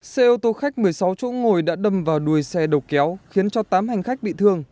xe ô tô khách một mươi sáu chỗ ngồi đã đâm vào đuôi xe đầu kéo khiến cho tám hành khách bị thương